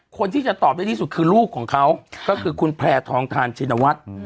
คนที่จะตอบได้ที่สุดคือลูกของเขาก็คือคุณแพร่ทองทานชินวัฒน์